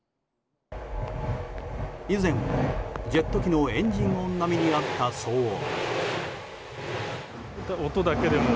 以前、ジェット機のエンジン音並みにあった騒音。